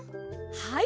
はい。